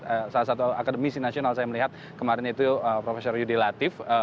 salah satu akademisi nasional saya melihat kemarin itu profesor yudi latif